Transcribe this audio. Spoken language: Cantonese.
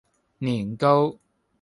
年糕